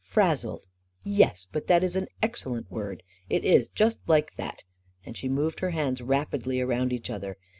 44 Frazzled — yes — but that is an excellent word — it is just like that 1 " and she moved her hands rapidly around each other.